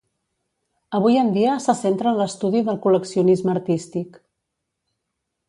Avui en dia se centra en l'estudi del col·leccionisme artístic.